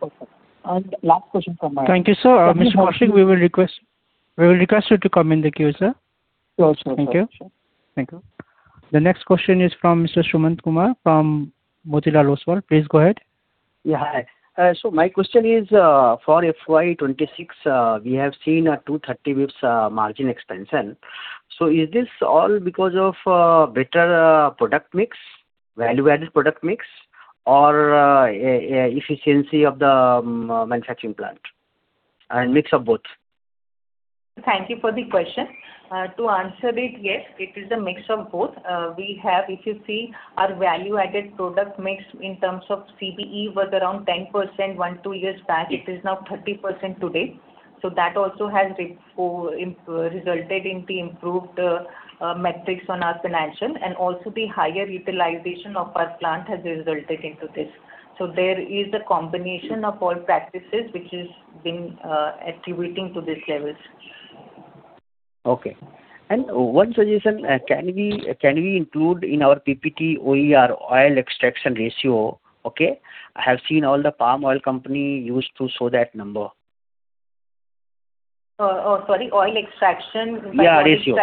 Perfect. Last question from my end. Thank you, sir. Mr. Kaushik, we will request you to come in the queue, sir. Sure. Thank you. Thank you. The next question is from Mr. Sumant Kumar from Motilal Oswal. Please go ahead. Yeah, hi. My question is, for FY 2026, we have seen a 230 basis points margin expansion. Is this all because of better product mix, value-added product mix, or efficiency of the manufacturing plant? Mix of both. Thank you for the question. To answer it, yes, it is a mix of both. We have, if you see our value-added product mix in terms of CBE was around 10% one, two years back. It is now 30% today. So that also has resulted in the improved metrics on our financial, and also the higher utilization of our plant has resulted into this. So there is a combination of all practices which has been attributing to this levels. Okay. One suggestion, can we include in our PPT OER oil extraction ratio? Okay. I have seen all the palm oil company used to show that number. sorry, oil extraction Yeah, ratio.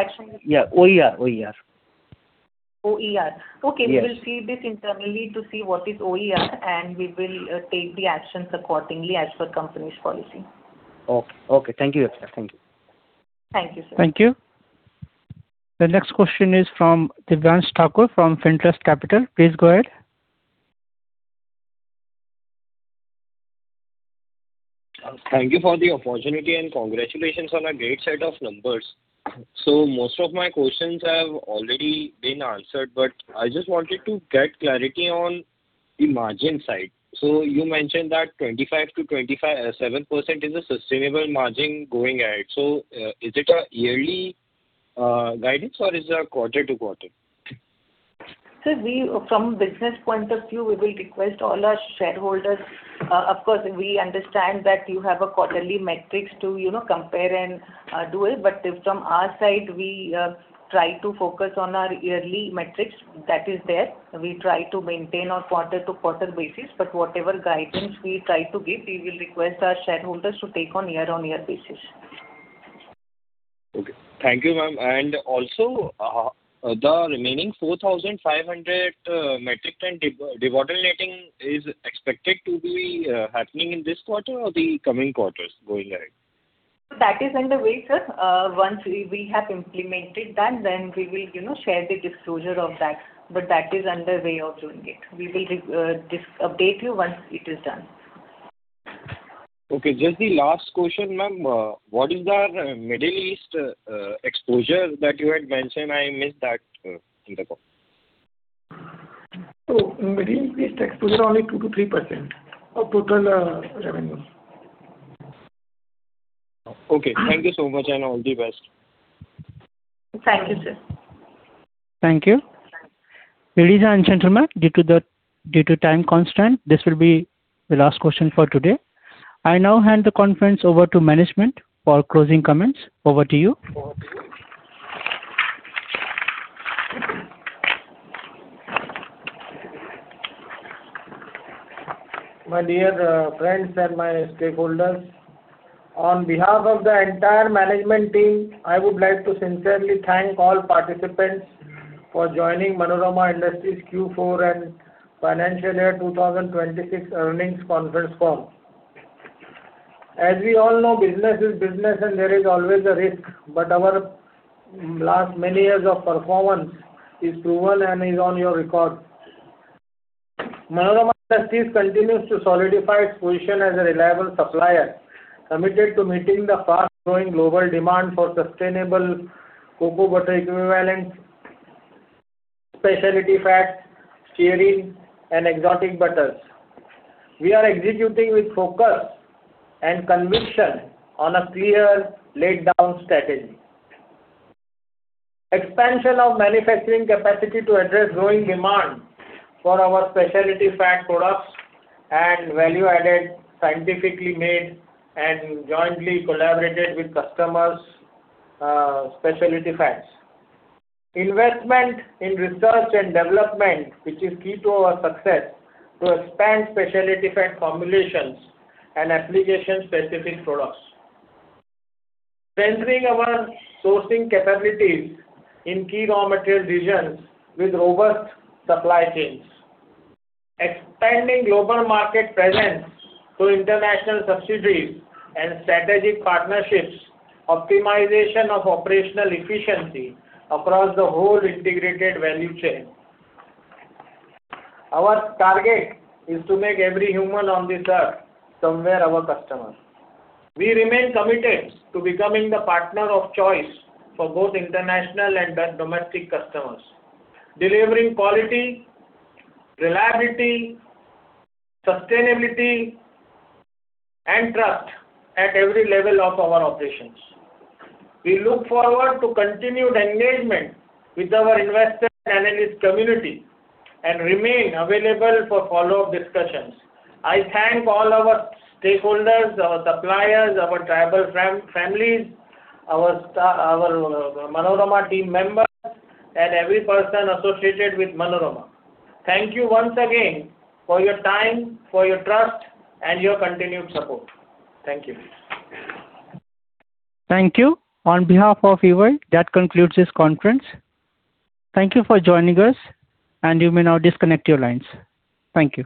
Yeah, OER. OER. Okay. Yes. We will see this internally to see what is OER, and we will take the actions accordingly as per company's policy. Okay. Okay. Thank you, sir. Thank you. Thank you, sir. Thank you. The next question is from Divyansh Thakur from FinTrust Capital. Please go ahead. Thank you for the opportunity, and congratulations on a great set of numbers. Most of my questions have already been answered, but I just wanted to get clarity on the margin side. You mentioned that 25%-27% is a sustainable margin going ahead. Is it a yearly guidance or is it a quarter-to-quarter? Sir, we from business point of view, we will request all our shareholders. Of course, we understand that you have a quarterly metrics to, you know, compare and do it. If from our side, we try to focus on our yearly metrics that is there. We try to maintain on quarter-to-quarter basis, but whatever guidance we try to give, we will request our shareholders to take on year-on-year basis. Okay. Thank you, ma'am. Also, the remaining 4,500 metric ton debottlenecking is expected to be happening in this quarter or the coming quarters going ahead? That is underway, sir. once we have implemented that, then we will, you know, share the disclosure of that. That is underway of doing it. We will update you once it is done. Okay. Just the last question, ma'am. What is our Middle East exposure that you had mentioned? I missed that in the call. Middle East exposure only 2%-3% of total revenue. Okay. Thank you so much, and all the best. Thank you, sir. Thank you. Ladies and gentlemen, due to time constraint, this will be the last question for today. I now hand the conference over to management for closing comments. Over to you. My dear friends and my stakeholders, on behalf of the entire management team, I would like to sincerely thank all participants for joining Manorama Industries Q4 and Financial Year 2026 Earnings Conference Call. As we all know, business is business and there is always a risk, but our last many years of performance is proven and is on your record. Manorama Industries continues to solidify its position as a reliable supplier, committed to meeting the fast-growing global demand for sustainable cocoa butter equivalents, specialty fats, stearin, and exotic butters. We are executing with focus and conviction on a clear laid-down strategy. Expansion of manufacturing capacity to address growing demand for our specialty fat products and value-added, scientifically made, and jointly collaborated with customers, specialty fats. Investment in research and development, which is key to our success, to expand specialty fat formulations and application-specific products. Centering our sourcing capabilities in key raw material regions with robust supply chains. Expanding global market presence through international subsidiaries and strategic partnerships. Optimization of operational efficiency across the whole integrated value chain. Our target is to make every human on this earth somewhere our customer. We remain committed to becoming the partner of choice for both international and domestic customers, delivering quality, reliability, sustainability, and trust at every level of our operations. We look forward to continued engagement with our investor and analyst community, and remain available for follow-up discussions. I thank all our stakeholders, our suppliers, our tribal families, our Manorama team members, and every person associated with Manorama. Thank you once again for your time, for your trust, and your continued support. Thank you. Thank you. On behalf of EY, that concludes this conference. Thank you for joining us, and you may now disconnect your lines. Thank you.